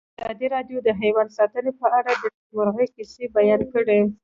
ازادي راډیو د حیوان ساتنه په اړه د نېکمرغۍ کیسې بیان کړې.